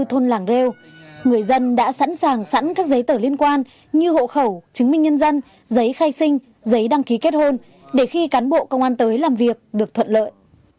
trong làng rêu người dân đã sẵn sàng sẵn các giấy tờ liên quan như hộ khẩu chứng minh nhân dân giấy khai sinh giấy đăng ký kết hôn để khi cán bộ công an tới làm việc được thuận lợi